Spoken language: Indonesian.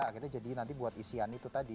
akhirnya jadi nanti buat isian itu tadi